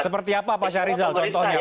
seperti apa pak syarizal contohnya